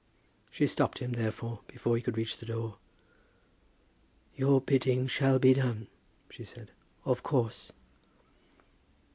She stopped him, therefore, before he could reach the door. "Your bidding shall be done," she said, "of course."